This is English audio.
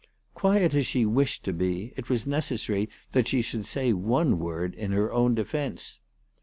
Quiet as she wished to be, it was necessary that she should say one word in her own defence.